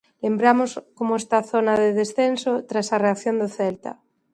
Lembramos como está a zona de descenso tras a reacción do Celta.